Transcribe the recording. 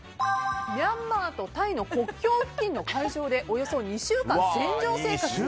ミャンマーとタイの国境付近の海上でおよそ２週間船上生活。